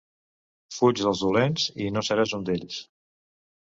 Fuig dels dolents i no seràs un d'ells.